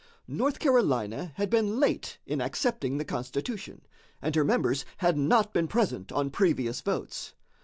North Carolina had been late in accepting the Constitution, and her members had not been present on previous votes.